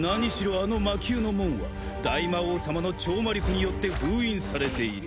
あの魔宮の門は大魔王様の超魔力によって封印されている。